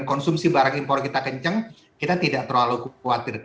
konsumsi barang impor kita kencang kita tidak terlalu khawatir